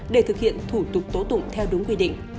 để thực hiện thủ tục tố tụng theo đúng quy định